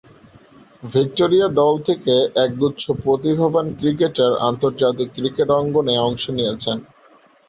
Victoria দল থেকে একগুচ্ছ প্রতিভাবান ক্রিকেটার আন্তর্জাতিক ক্রিকেট অঙ্গনে অংশ নিয়েছেন।